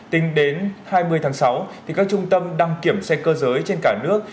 tính đến hai mươi tháng sáu các trung tâm đăng kiểm xe cơ giới trên cả nước